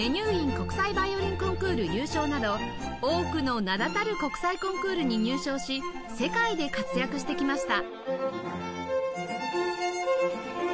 国際ヴァイオリンコンクール優勝など多くの名だたる国際コンクールに入賞し世界で活躍してきました